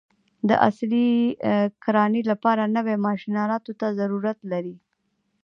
د عصري کرانې لپاره نوي ماشین الاتو ته ضرورت لري.